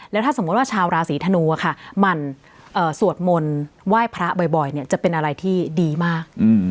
แล้วถ้าสมมุติว่าชาวราศีธนูค่ะหมั่นสวดมนต์ไหว้พระบ่อยจะเป็นอะไรที่ดีมาก